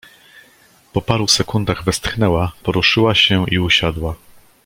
"Po paru sekundach westchnęła, poruszyła się i usiadła."